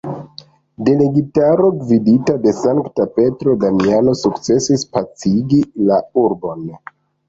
Delegitaro, gvidita de sankta Petro Damiano sukcesis pacigi la urbon.